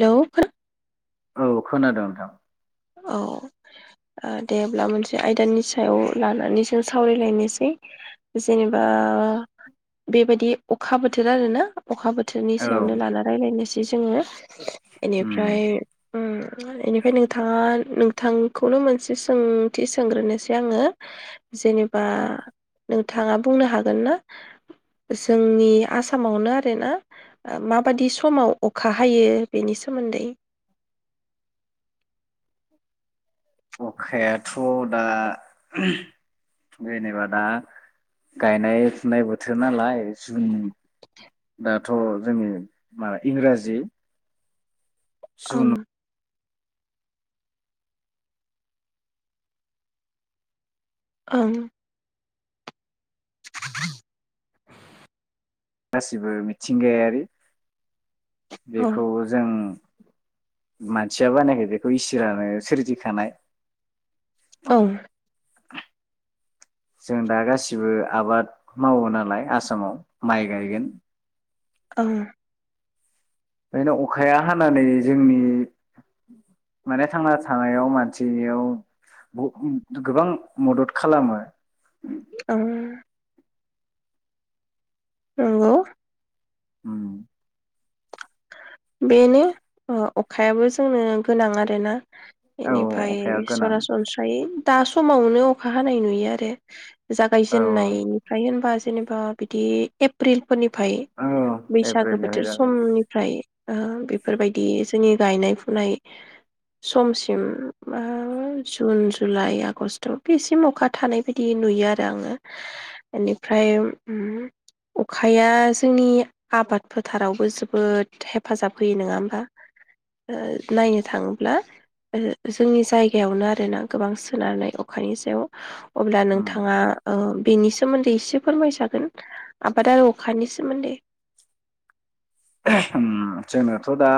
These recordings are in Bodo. हेलौ [unintelligible] औ खोनादों नोंथां औ ओ दे अब्ला मोनसे आयदानि सायाव लानानै जों सावरायलायनोसै जेनेबा बेबायदि अखा बोथोर आरोना अखा बोथोरनि औ सायावनो लाना रायलायनोसै [unintelligible] जोङो उम बेनिफ्राय उम [unintelligible] इनिफ्राय थाङा नोंथांखौनो मोनसे सोंथि सोंग्रोनोसै आङो जेनेबा नोंथाङा बुंनो हागोन ना जोंनि आसामावनो आरोना माबाददि समाव अखा हायो बेनि सोमोन्दै अखायाथ' दा उमह जेनेबा दा गायनाय फुनाय बोथोर नालाय जुन दाथ' जोंनि माबा इंराजि जुन ओं ओं [inaudible] गासिबो मिथिंगायारि औ बेखौ जों मानसिया बानायाखै बेखौ इसोरानो सोरजिखानाय। औ जों दा गासिबो आबाद मावो नालाय आसामाव माइ गायगोन। औ बेनो अखाया हानानै जोंनि माने थांना थानायाव मानसियाव गोबां मदद खालामो। औ नोंगौ उम बेनो अखायाबो जोंनो गोनां आरोना। औ बेनिफ्राय अखाया गोनां सरासनस्रायै दा समावनो अखा हानाय नुयो आरो। औ जागायजेननायनिफ्राय होनबा जेनेबा बिदि एप्रिल फोरनिफ्राय औ बैसागो एप्रिलनिफ्राय बोथोर जागाय समनि ओ बेफोरबायदि जोंनि गायनाय फुनाय समसिम मा जुन जुलाइ आगस्ट' बेसिम अखा थानाय बायदि नुयो आरो आङो बेनिफ्राय अखाया जोंनि आबाद फोथारावबो जोबोद जोबोद हेफाजाब होयो नोङा होमबा नायनो थाङोब्ला जोंनि जायगायावनो आरोना गोबां सोनारनाय अखानि सायाव। अब्ला उम नोंथाङा ओ बेनि सोमोन्दै एसे फोरमायजागोन आबाद आरो अखानि सोमोन्दै। उम जोंनोथ' दा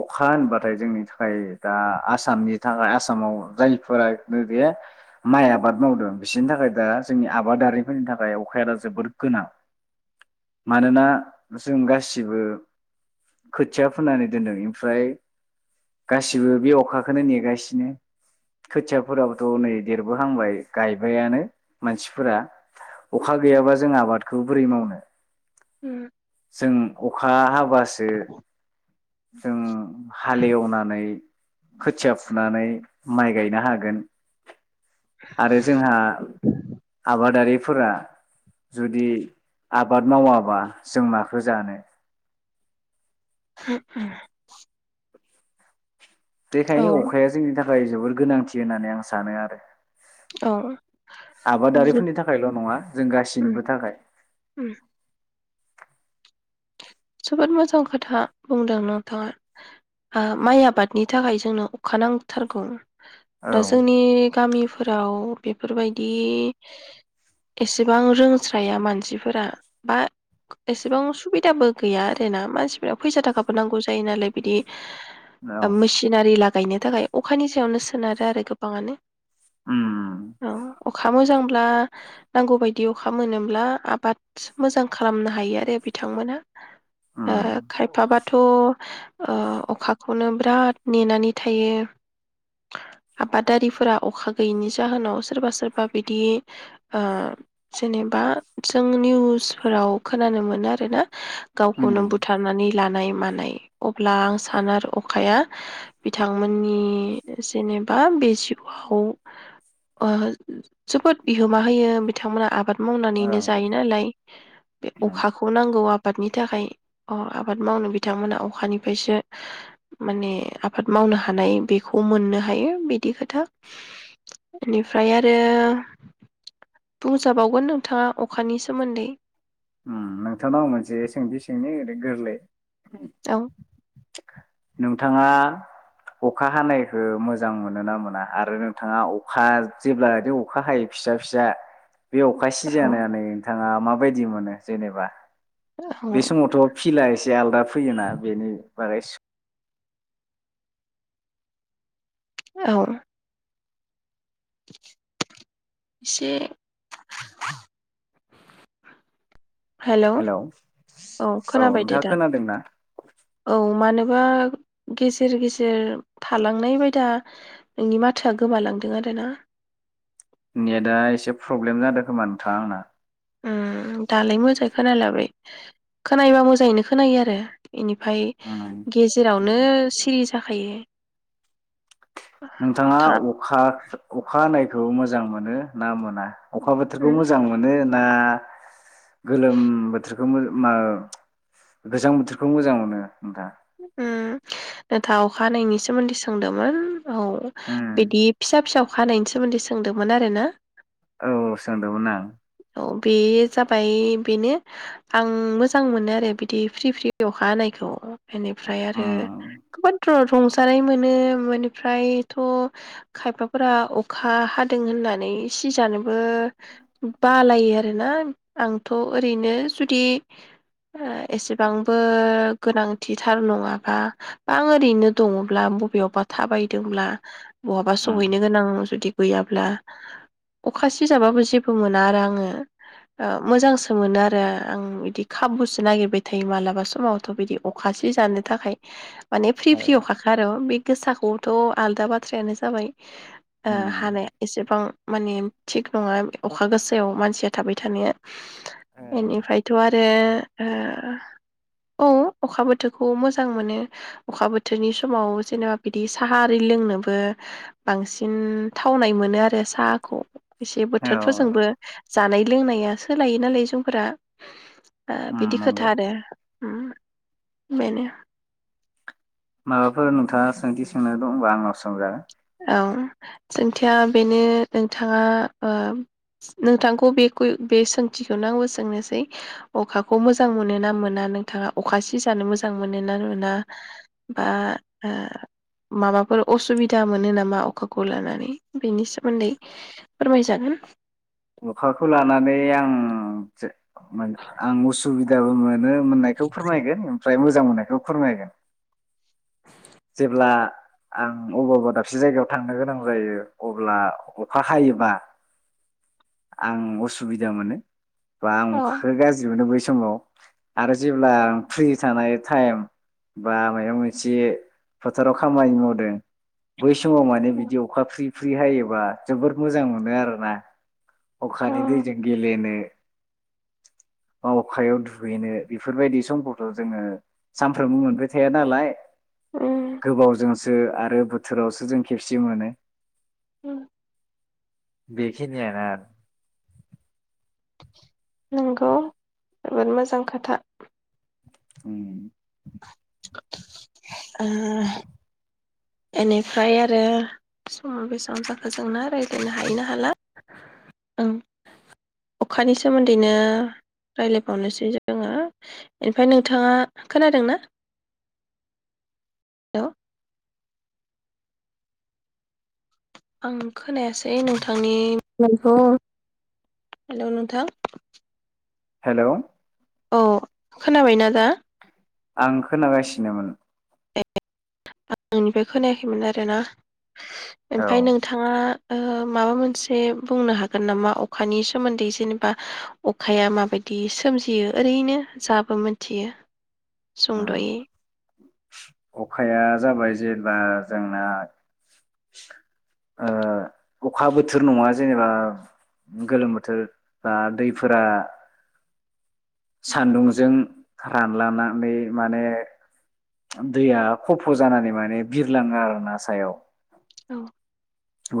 अखा होनबाथाय जोंनि थाखाय दा आसामनि थाखाय आसामाव जायफोरा नैबे माइ आबाद मावदों बिसोरनि थाखाय दा जोंनि आबादारिफोरनि थाखाय अखाया दा जोबोर गोनां मानोना जों गासै गासिबो खोथिया फोननानै दोनदों ओमफ्राय गासिबो बे अखाखौनो नेगासिनो खोथियाफोराबोथ' नै देरबोहांबाय गायबायानो मानसिफोरा अखा गैयाबा जों आबादखौ बोरै मावनो? उम जों अखा हाबासो जों हालेवनानै खोथिया फुनानै माइ गायनो हागोन। आरो जोंहा आबादारिफोरा जुदि आबाद मावाबा जों माखौ जानो? उम उम बेखायनो अखाया जोंनि थाखा खाय जोबोर गोनांथि होननानै आं सानो आरो। औ जोब आबादारिफोरनि थाखायल' नङा जों उम गासैनिबो थाखाय। उम जोबोद मोजां खोथा बुंदों नोंथाङा ओ माइ आबादनि थाखाय जोंनो अखा नांथारगौ। औ दा जोंनि गामि फोराव बेफोरबायदि एसेबां रोंस्राया मानसिफोरा बा एसेबां सुबिदाबो गैया आरो ना मानसिफोरनो फैसा थाखाबो नांगौ जायो नालाय बिदि औ मेसिनारि ला गायनो थाखाय अखानि जायावनो सोनारो आरो गोबांङानो। उम अ अखा दा मोजांब्ला नांगौ बायदि अखा मोनोब्ला आबाद मोजां खालामनो हायो आरो बिथांमोना। ओ उम खायफाबाथ' ओ अखाखौनो बिराद नेनानै थायो आबादारिफोरा अखा गैयिनि जाहोनाव सोरबा सोरबा बिदि ओ जेनेबा जों निउसफोराव खोनानो मोनो आरोना। उम गावखौनो बुथारनानै लानाय मानाय अब्ला आं सानो आरो अखाया बिथांमोननि नि जेनेबा बेजिउ खौ ओ जोबोद बिहोमा होयो बिथांमोना आबाद औ मावनानैनो जायो नालाय बे उम अखाखौ नांगौ आबादनि थाखाय अ आबाद मावनो बिथांमोना अखानिफ्रायसो माने आबाद मावनो हानाय बेखौ मोननो हायो बिदि खोथा बेनिफ्राय आरो बुंजाबावगोन नोंथाङा अखानि सोमोन्दै। उम नोंथांनाव मोनसे सोंथि सोंनि ओरैनो गोरलै। औ। नोंथाङा अखा हानायखौ मोजां मोनोना मोना आरो नोंथाङा अखा जेब्लादि अखा हायो फिसा फिसा बे अखााय सि औ जानानै नोंथाङा मा बे बायदि मोनो जेनेबा? बे औ समावथ' फिला एसे आलादा फैयोना बेनो बेस औ। एसे हेलौ औ खोनाबायदे नोंथाङा दा खोनादोंना औ मानो माबा गेजेर गेजेर थालांनाय बायदा नोंनि माथोआ गोमालांदों आरोना। नेटआ एसे प्रब्लेम जादों खोमा नोंथां आंना। उम दालाय मोजां खोनालायबाय। खोनायोबा मोजाङैनो खोनायो आरो। बेनिफ्राय उम गेजेरावनो सिरि जाखायो। नोंथाङा था अखा अखा हानायखौ मोजां मोनो ना मोना? अखा बोथोरखौ उम मोजां मोनो दा गोलोम बोथोरखौ मो गोजां बोथोरखौ मोजां मोनो नोंथांआ? उम नोंथा अखा हानायनि सोमोन्दै सोंदोंमोन। औ उम बिदि फिसा फिसा अखा हानायनि सोमोन्दै सोंदोंमोन आरो ना। औ सोंदोंमोन आं। औ बे जाबाय बेनो आं मोजां मोनो आरो बिदि फ्रि फ्रि अखा हानायखौ। बेनिफ्राय आरो उम गोबां रंजानाय मोनो बेनिफ्रायथ' खायफाफोरा अखा हादों होननानै सिजानोबो बालाइयो आरोना आंथ' ओरैनो जुदि ओ एसेबांबो गोनां थिथार नङाबा बा आं ओरैनो दङब्ला बबेयावबा थाबायदोंब्ला बहाबा उम सहैनो गोनां जुदि गैयाब्ला अखा सि जाबाबो जेबो मोना आरो आङो ओ मोजांसो मोनो आरो आं बिदि खाबुसो नागिरबाय थायो मालाबा समावथ' बिदि। अखा सिजानो थाखाय माने फ्रि औ फ्रि अखाखा आरो बे गोसाखौथ' आलदा बाथ्रायानो जाबाय ओ उम हानाया एसेबां माने थिग नङा अखा गोसायाव मानसिया थाबाय थानाया बेनिफ्रायथ' आरो ओ औ अखा बोथोरखौ मोजां मोनो अखा बोथोरनि समाव जेनेबा बिदि साहा आरि लोंनोबो बांसिन थावनाय मोनो आरो आरो साहाखौ एसे औ बोथोरफोरजोंबो जानाय लोंनाया सोलायो नालाय जोंफोरा ओ उम बिदि नंगौ खोथा आरो ओम बेनो माबाफोर नोंथाङा सोंथि सोंनो दंबा आंनाव सोंजागोन औ सोंथिया बेनो नोंथाङा ओ नोंथांखौ बे बे सोंथिखौनो आंबो सोंनोसै अखाखौ मोजां मोनोना मोना नोंथाङा अखा सि जानो मोजां मोनोना मोना बा माबाफोर असुबि दा मोनो नामा अखाखौ लानानै बेनि सोमोन्दै फोरमायजागोन अखाखौ लानानै आं आं उसुबिदाबो मोन नो मोननायखौ फोरमायगोन। ओमफ्राय मोजां मोननायखौ फोरमायगोन। [inaudible] जेब्ला आं अबावबा दाबसे जायगायाव थांनो गोनां जायो अब्ला अखा हायोबा आं उसुबिदा मोनो। औ गोबां गाज्रि मोनो बै समाव आरो जेब्ला फ्रि थानाय टाइम बा माबा मोनसे फोथाराव खामानि मावदों। बै समाव माने बिदि अखा फ्रि फ्रि हायोबा जोबोद मोजां मोनो आरोना। अ औ खानि दैजों गेलेनो। माअखायाव दुगैनो बेफोरबायदि समखौथ' जोङो सानफ्रोमबो मोनबाय थाया नालाय। उम गोबावजोंसो आरो बोथोरावसो जों खेबसे मोनो। उम बेखिनियानो आरो नंगौ जोबोद मोजां खोथा। उम ओ बेनिफ्राय आरो समाव बेसेबां जाखो जोंना रायज्लायनो हायो ना हाला ओं अखानि सोमोन्दैनो रायज्लायबावनोसै जोङो बेनिफ्राय नोंथाङा खोनादोंना हेल'? आं खोनायासै नोंथांनि मबाइलखौ हेल' नोंथां हेल' अ खोनाबायना दा? आं खोनागासिनोमोन। ए आंनिफ्राय खोनायाखैमोन आरोना औ ओमफ्राय नोंथाङा ओ माबा मोनसे बुंनो हागोन नामा अखानि सोमोन्दै जेनेबा अखाया माबायदि सोमजियो ओरैनो जाबो मोनथियो। सुंद'यै अखाया जाबाय जेनेबा जोंना ओ अखा बोथोर नङा जेनेबा गोलोम बोथोर बा दैफोरा सान्दुंजों रानलानानै माने दैया खफ' जानानै माने बिरलाङो आरो ना सायाव औ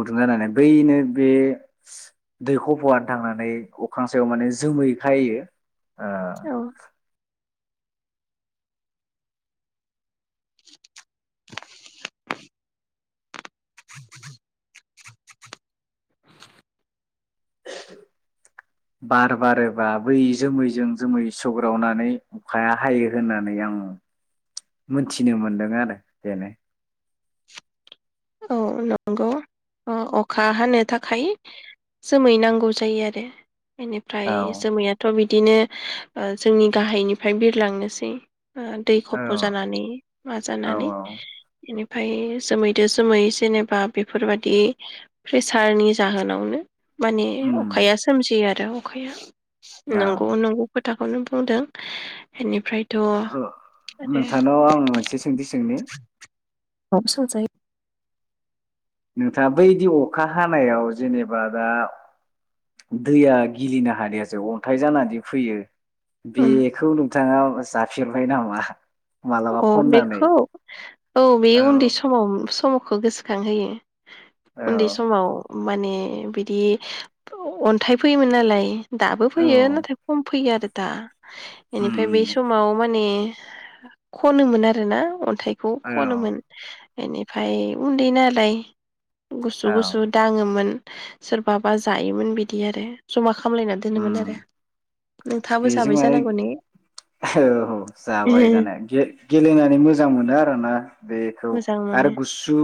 गुदुं जानानै बैनो बे दै ख'फयानो थांनानै अख्रां सायाव माने जोमै खायो। ओ औ बार बारोबा बै जोमैजों जोमै सौग्रावनानै अखाया हायो होननानै आं मोनथिनो मोनदों आरो बेनो। औ नंगौ अखा हानो थाखाय जोमै नांगौ जायो आरो बेनिफ्राय औ जोमैयाथ' बि दिनो ओ जोंनि गाहायनिफ्राय बिरलांनोसै। ओ दै औ खफ' जानानै मा औ जानानै इनि फाय जोमै दोस जोमै जेनेबा बेफोरबादि प्रेसारनि जाहोनावनो माने उम अखाया सोमजियो आरो। अखाया औ नोंगौ नोंगौ खो थाखौनो बुंदों इनिफ्राय औ नोंथां नाव आङो मोनसे सोंथि सोंनि औ सोंजायो। नोंथाङा बैदि अखा हानायाव जेनेबा दा दैया गिलिनो हानायासो अन्थाइ जानानै फैयो उम बेखौ नोंथाङा जा फेरबाय नामा? मालाबा औ खननानै बेखौ औ बे उन्दै समाव समाव खौ गोसोखांहोयो। औ उन्दै समाव माने बिदि अन्थाइ फैयोमोन नालाय दाबो औ फैयो नाथाय खम फैयो आरो दा उम इनिफ्राय बै उम समाव माने [unintelligible] खनो मोन आरो ना अन थायखौ औ खनोमोन बेनिफ्राय उन्दै नालाय औ गुसु-गुसु दाङोमोन सोरबाबा जायोमोन बिदि आरो जमा खामलायना उम दोनोमोनआरो। नोंथाबो बेजों जाबाय माने जानांगौ ने? गेलेनानै मोजां मोनो आरोना। बेखौ मोजां आरो मोनो गुसु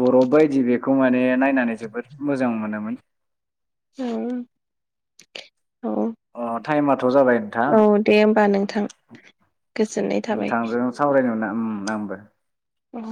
बर'फ बायदि बेखौ मान दे नायनानै जोबोद मोजां मोनोमोन। उम! ! औ! थाइमा- थ' जाबाय नोंथां, औ दे होमबा नोंथां गोजोननाय थाबाय नोंथांजों सावरायनो मोन उम! आंबो उम!